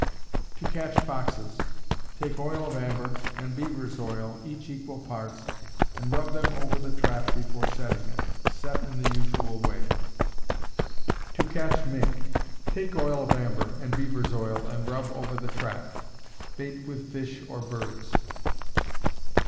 To Catch Foxes. Take oil of amber, and beaver's oil, each equal parts, and rub them over the trap before setting it. Set in the usual way. To Catch Mink. Take oil of amber, and beaver's oil, and rub over the trap. Bait with fish or birds.